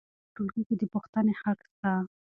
په ټولګي کې د پوښتنې حق سته.